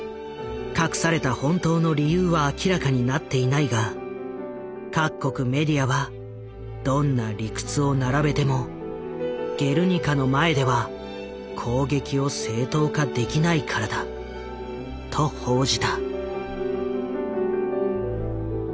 隠された本当の理由は明らかになっていないが各国メディアは「どんな理屈を並べても『ゲルニカ』の前では攻撃を正当化できないからだ」と報じた。